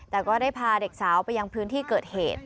แต่ก็ได้พาเด็กสาวไปยังพื้นที่เกิดเหตุ